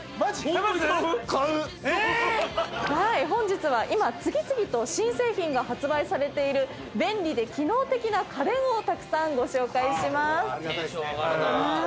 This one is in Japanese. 本日は今次々と新製品が発売されている便利で機能的な家電をたくさんご紹介します。